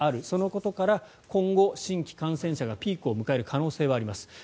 そのことから今後、新規感染者がピークを迎える可能性はあります。